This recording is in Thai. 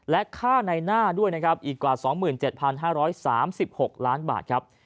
และค่าในหน้าด้วยนะครับอีกกว่า๒๗๕๓๖ล้านบาทครับ